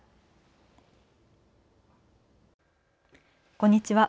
こんにちは。